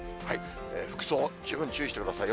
服装、十分注意してくださいよ。